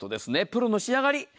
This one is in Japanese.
プロの仕上がり。